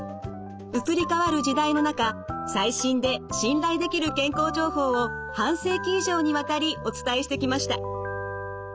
移り変わる時代の中最新で信頼できる健康情報を半世紀以上にわたりお伝えしてきました。